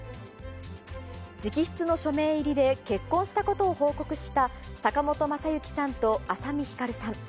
直筆の署名入りで、結婚したことを報告した坂本昌行さんと朝海ひかるさん。